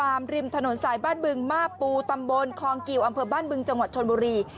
ริมถนนสายบ้านบึงมาปูตำบลคลองกิวอำเภอบ้านบึงจังหวัดชนบุรี